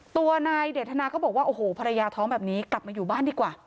ตัวนายเดทนาก็บอกว่าโอ้โหภรรยาท้องแบบนี้กลับมาอยู่บ้านดีกว่า